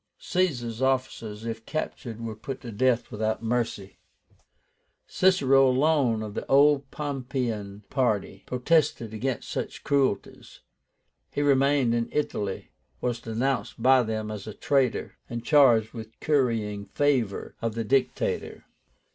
Caesar's officers, if captured, were put to death without mercy. Cicero alone of the old Pompeian party protested against such cruelties. He remained in Italy, was denounced by them as a traitor, and charged with currying favor of the Dictator.